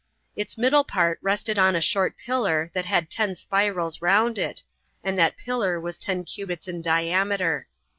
Its middle part rested on a short pillar that had ten spirals round it, and that pillar was ten cubits in diameter.